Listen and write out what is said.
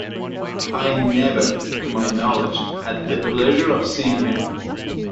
I never, to my knowledge, had the pleasure of seeing him.